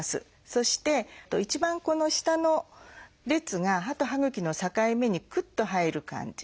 そして一番この下の列が歯と歯ぐきの境目にクッと入る感じ。